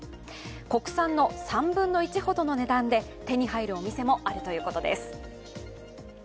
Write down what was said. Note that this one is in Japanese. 国産の３分の１ほどの値段で手に入るお店もあるということです。